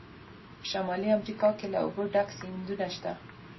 په شمالي امریکا کې له اوبو ډک سیندونه شته.